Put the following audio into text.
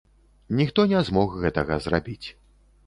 Ніхто не змог гэтага зрабіць.